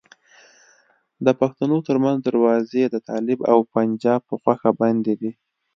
د پښتنو ترمنځ دروازې د طالب او پنجاب په خوښه بندي دي.